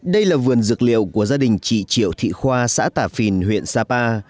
đây là vườn dược liệu của gia đình chị triệu thị khoa xã tả phìn huyện sapa